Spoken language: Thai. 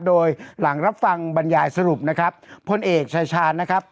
โดยหลังรับฟังบรรยายสรุปนะครับพลเอกชายชาญนะครับ